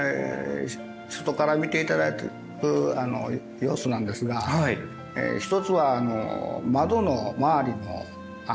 外から見て頂いた様子なんですが１つは窓の周りの石ですね。